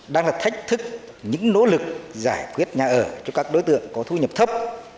đang là thách thức những nỗ lực giải quyết nhà ở cho các đối tượng có thu nhập thấp